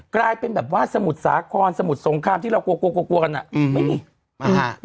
กลายเป็นแบบว่าสมุดสาขอนสมุดสงครามที่เรากลัวกลัวกลัวกลัวกันอ่ะไม่มี